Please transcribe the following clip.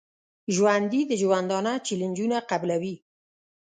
ژوندي د ژوندانه چیلنجونه قبلوي